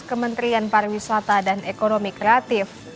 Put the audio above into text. kementerian pariwisata dan ekonomi kreatif